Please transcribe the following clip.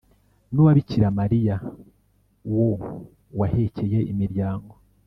n'uwa bikira-mariya wo wahekeye imiryango.